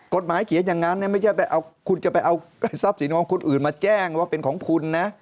กฎหมายเขียนอย่างนั้นไม่ใช่คุณจะไปเอาทรัพย์สินของคนอื่นมาแจ้งว่าเป็นของคุณนะ